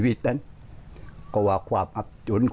วิทยาลัยศาสตรี